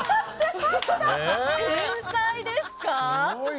天才ですか？